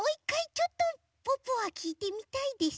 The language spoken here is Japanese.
ちょっとポッポはきいてみたいです。